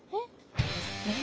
えっ？